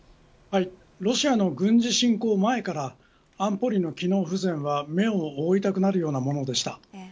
ロシアの軍事侵攻前から安保理の機能不全は目を覆いたくなるようなものでした。